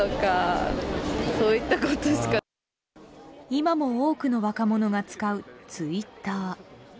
今も多くの若者が使うツイッター。